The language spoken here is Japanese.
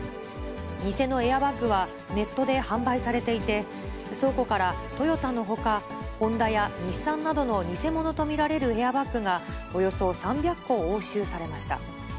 偽のエアバッグはネットで販売されていて、倉庫からトヨタのほか、ホンダや日産などの偽物と見られるエアバッグが、およそ３００個押収されました。